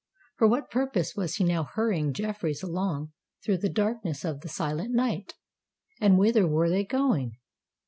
For what purpose was he now hurrying Jeffreys along through the darkness of the silent night? and whither were they going?